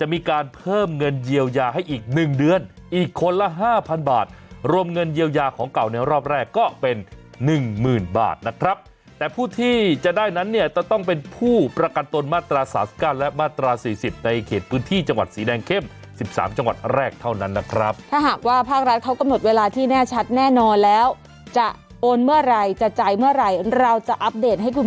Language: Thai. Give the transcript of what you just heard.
อีกคนละ๕๐๐๐บาทรวมเงินเยียวยาของเก่าเนี่ยรอบแรกก็เป็น๑๐๐๐๐บาทนะครับแต่ผู้ที่จะได้นั้นเนี่ยต้องเป็นผู้ประกันตนมาตราศาสการและมาตรา๔๐ในเขตพื้นที่จังหวัดสีแดงเข้ม๑๓จังหวัดแรกเท่านั้นนะครับถ้าหากว่าภาครัฐเขากำหนดเวลาที่แน่ชัดแน่นอนแล้วจะโอนเมื่อไหร่จะจ่ายเมื่อไหร่เราจะอั